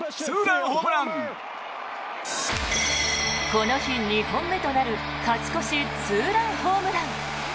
この日２本目となる勝ち越しツーランホームラン。